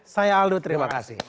saya aldo terima kasih